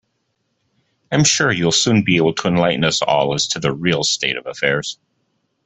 I'm sure you'll soon be able to enlighten us all as to the real state of affairs.